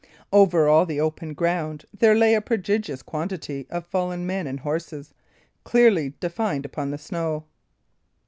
Over all the open ground there lay a prodigious quantity of fallen men and horses, clearly defined upon the snow.